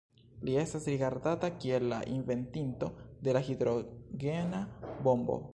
Li estas rigardata kiel la inventinto de la hidrogena bombo.